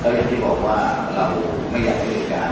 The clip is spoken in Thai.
ก็อย่างที่บอกว่าเราไม่อยากเลือกการ